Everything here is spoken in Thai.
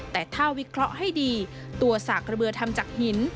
แต่ถ้าวิเคราะห์ให้ดีตัวสากระเบือทำจากหิน